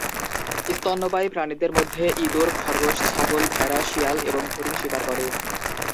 স্তন্যপায়ী প্রাণীদের মধ্যে ইঁদুর, খরগোশ, ছাগল, ভেড়া, শিয়াল এবং হরিণ শিকার করে।